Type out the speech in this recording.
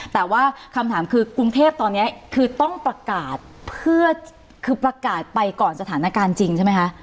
แต่ว่าคำถามคือกรุงเทพตอนนี้คือต้องประกาศเพื่อคือประกาศไปก่อนสถานการณ์จริงใช่ไหมคะ